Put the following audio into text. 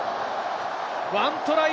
１トライ